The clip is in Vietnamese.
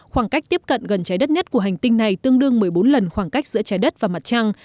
khoảng cách tiếp cận gần trái đất nhất của hành tinh này tương đương một mươi bốn lần khoảng cách giữa trái đất và mặt trăng